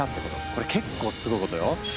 これ結構すごいことよ。